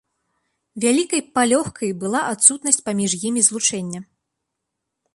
Вялікай палёгкай была адсутнасць паміж імі злучэння.